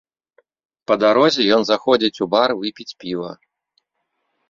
Па дарозе ён заходзіць у бар выпіць піва.